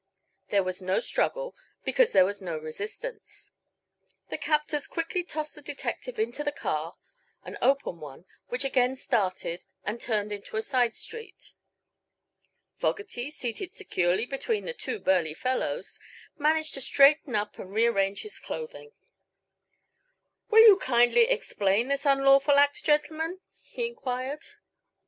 There was no struggle, because there was no resistance. The captors quickly tossed the detective into the car, an open one, which again started and turned into a side street. Fogerty, seated securely between the two burly fellows, managed to straighten up and rearrange his clothing. "Will you kindly explain this unlawful act, gentlemen?" he enquired.